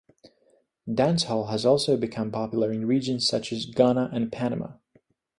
Dancehall has also became popular in regions such as Ghana and Panama.